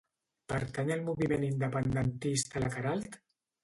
Pertany al moviment independentista la Queralt?